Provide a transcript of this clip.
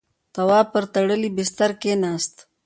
تواب پر تړلی بسترې کېناست.